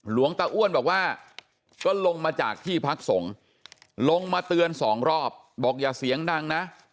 หลวงตาอ้วนบอกว่าก็ลงมาจากที่พักสงฆ์ลงมาเตือนสองรอบบอกอย่าเสียงดังนะ